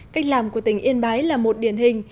cách làm của tỉnh yên bái là một điển hình